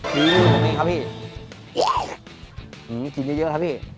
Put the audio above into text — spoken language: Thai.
จิ้นมันไปให้ครับพี่